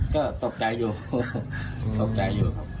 ก็ตกใจอยู่ครับ